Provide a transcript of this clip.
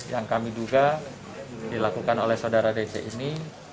yang kami duga dilakukan oleh saudara dc ini